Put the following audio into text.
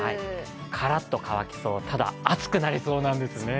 カラッと乾きそう、ただ暑くなりそうなんですね。